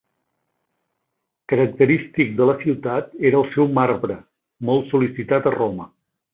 Característic de la ciutat era el seu marbre, molt sol·licitat a Roma.